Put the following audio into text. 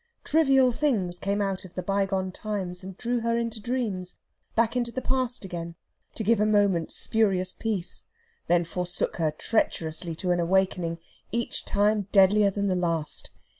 Trivial things came out of the bygone times, and drew her into dreams back into the past again to give a moment's spurious peace; then forsook her treacherously to an awakening, each time deadlier than the last.